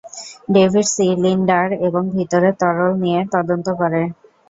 David cylinder এবং ভিতরের তরল নিয়ে তদন্ত করে।